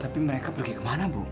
tapi mereka pergi kemana bu